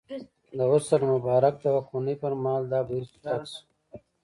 د حسن مبارک د واکمنۍ پر مهال دا بهیر چټک شو.